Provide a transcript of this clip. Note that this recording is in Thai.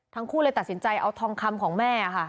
ทั้งคู่เลยตัดสินใจเอาทองคำของแม่ค่ะ